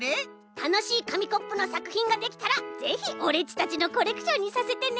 たのしいかみコップのさくひんができたらぜひオレっちたちのコレクションにさせてね。